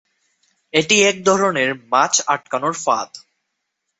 এটি এক ধরনের মাছ আটকানোর ফাঁদ।